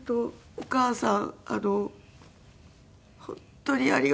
お母さん。